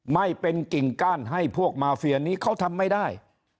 ไม่เป็นกิ่งก้านให้พวกมาเฟียนี้เขาทำไม่ได้